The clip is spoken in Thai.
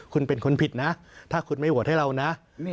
คุณเป็นคนผิดนะถ้าคุณไม่โหวตให้เรานะ